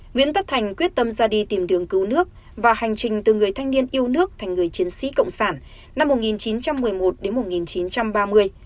nguyễn tất thành quyết tâm ra đi tìm đường cứu nước và hành trình từ người thanh niên yêu nước thành người chiến sĩ cộng sản năm một nghìn chín trăm một mươi một đến một nghìn chín trăm ba mươi